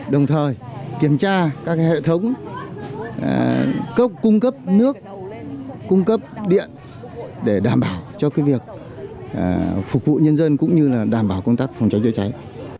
đồng thời kiểm tra các hệ thống cốc cung cấp nước cung cấp điện để đảm bảo cho việc phục vụ nhân dân cũng như đảm bảo công tác phòng cháy chữa cháy